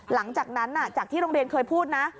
หลังจากนั้นจากที่โรงเรียนเคยพูดนะ